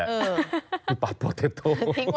เออทิ้งไว้ซะอย่างนั้นเลยพี่ปับโปรเทโต้